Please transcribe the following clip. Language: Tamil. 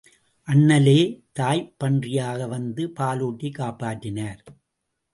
அண்ணலே தாய்ப்பன்றியாக வந்து பாலூட்டிக் காப்பாற்றினார்.